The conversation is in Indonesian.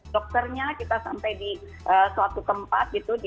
dokternya kita sampai di suatu tempat gitu